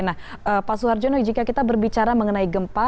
nah pak suharjono jika kita berbicara mengenai gempa